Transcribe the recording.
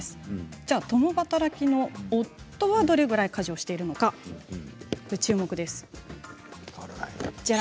じゃあ共働きの夫はどのぐらい家事をしているか注目です。